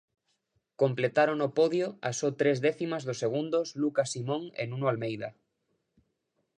Completaron o podio a só tres décimas dos segundos Lucas Simón e Nuno Almeida.